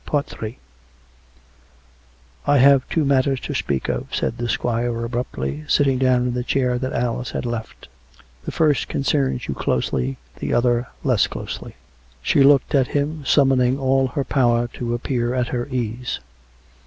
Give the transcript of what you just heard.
Ill " I have two matters to speak of," said the squire abruptly, sitting down in the chair that Alice had left; " the first concerns you closely ; and the other less closely." She looked at him, summoning all her power to appear at her ease.